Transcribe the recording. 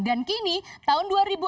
dan kini tahun dua ribu lima belas